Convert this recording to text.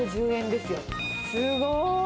すごい。